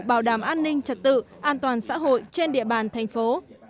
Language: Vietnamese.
bảo đảm an ninh trật tự an toàn xã hội trên địa bàn thành phố